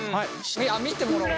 あっ見てもらおう。